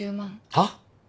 はっ⁉